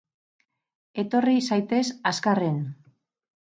Etorri zaitez azkarren!